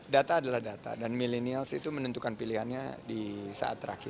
data adalah data dan millennials itu menentukan pilihannya di saat terakhir